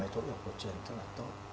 thu y học cổ truyền rất là tốt